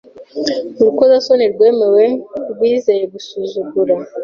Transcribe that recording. Urukozasoni rwemewe rwizeye gusuzugura